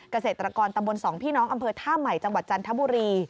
เกษตรกรตำบลสองพี่น้องอำเภอท่าใหม่จังหวัดจันทบุรี